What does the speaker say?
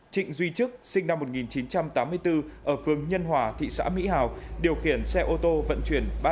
trịnh duy chức sinh năm một nghìn chín trăm tám mươi bốn ở phương nhân hòa thị xã mỹ hào điều khiển xe ô tô vận chuyển